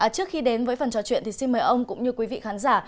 trước khi đến với phần trò chuyện thì xin mời ông cũng như quý vị khán giả